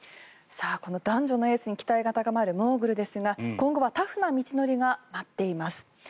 さあ、この男女のエースに期待が高まるモーグルですが今後はタフな道のりが待っています。